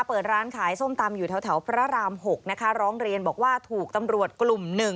เปิดร้านขายส้มตำอยู่แถวร้องเรือนบอกว่าถูกตำรวจกลุ่ม๑